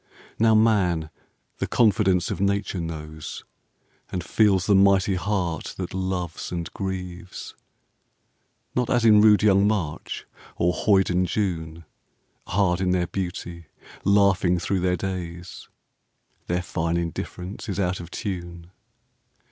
Now Man the confidence of Nature knows, And feels the mighty heart that loves and grieves. Not as in rude young March or hoyden June, Hard in their beauty, laughing thro' their days; Their fine indifference is out of tune.